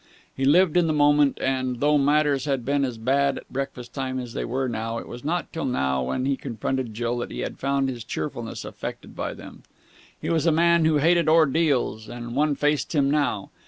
He lived in the moment, and, though matters had been as bad at breakfast time as they were now, it was not till now, when he confronted Jill, that he had found his cheerfulness affected by them. He was a man who hated ordeals, and one faced him now.